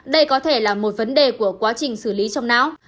đây có thể là một vấn đề của quá trình xử lý trong não